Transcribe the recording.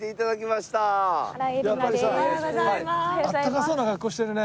あったかそうな格好してるね。